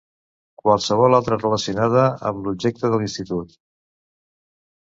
Qualsevol altra relacionada amb l'objecte de l'Institut.